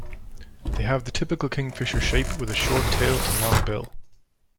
They have the typical kingfisher shape, with a short tail and long bill.